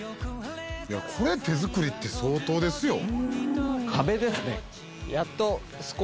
「これ手作りって相当ですよ」